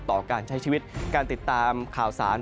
ต่อการใช้ชีวิตการติดตามข่าวสาร